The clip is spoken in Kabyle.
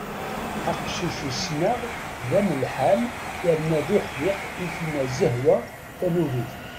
Aqcic i ssneɣ d amellḥan yerna d uḥdiq i tenna Zehwa tanubit.